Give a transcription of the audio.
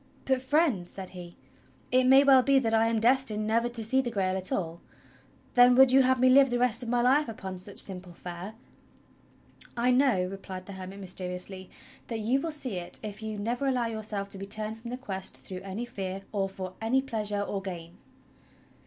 ' "But, Friend," said he, "it may well be that I am destined never to see the Grail at all. Then would you have me live the rest of my life upon such simple fare?" "I know," replied the hermit mysteriously, "that you will see it if you never allow yourself to be turned from the Quest through any fear, or for any pleasure or gain."